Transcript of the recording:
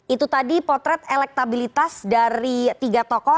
itu tadi potret elektabilitas dari tiga tokoh